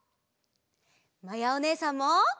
まやおねえさんも！